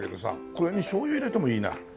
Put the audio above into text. これにしょうゆ入れてもいいな。